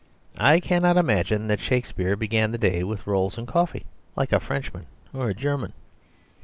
I cannot imagine that Shakespeare began the day with rolls and coffee, like a Frenchman or a German.